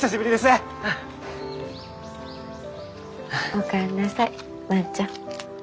お帰りなさい万ちゃん。